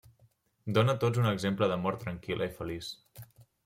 Dona a tots un exemple de mort tranquil·la i feliç.